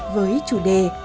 với chủ đề